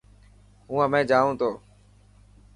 هون همي جانون ٿو.